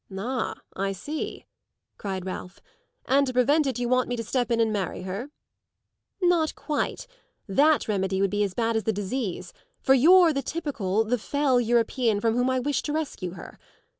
"Ah, I see," cried Ralph; "and to prevent it you want me to step in and marry her?" "Not quite; that remedy would be as bad as the disease, for you're the typical, the fell European from whom I wish to rescue her.